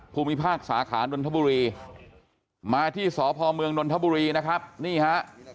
ภูมิภาคสาขานนทบุรีมาที่สพเมืองนนทบุรีนะครับนี่ฮะ